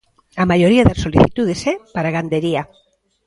A maioría das solicitudes é para gandería.